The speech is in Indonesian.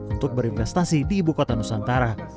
untuk berinvestasi di ibu kota nusantara